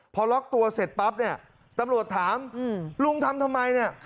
พอล็อกตัวเสร็จปั๊บเนี่ยตำรวจถามลุงทำทำไมเนี่ย